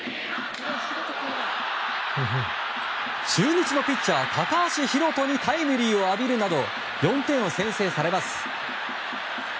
中日のピッチャー、高橋宏斗にタイムリーを浴びるなど４点を先制されます。